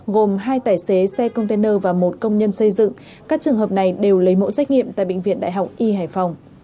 gồm hai tài xế xe container và một công nhân xây dựng các trường hợp này đều lấy mẫu xét nghiệm tại bệnh viện đại học y hải phòng